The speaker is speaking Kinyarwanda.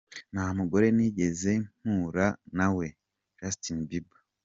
Ntamugore nigeze mpura na we”,Justin Bieber.